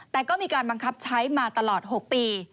แต่ก็มีการบังคับใช้มาตลอด๖ปี